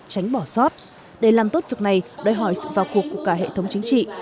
tránh bỏ sót để làm tốt việc này đòi hỏi sự vào cuộc của cả hệ thống chính trị